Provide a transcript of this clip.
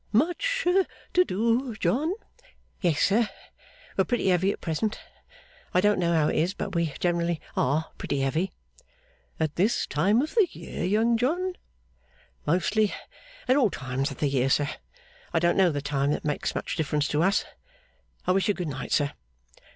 'Much to do, John?' 'Yes, sir; we're pretty heavy at present. I don't know how it is, but we generally are pretty heavy.' 'At this time of the year, Young John?' 'Mostly at all times of the year, sir. I don't know the time that makes much difference to us. I wish you good night, sir.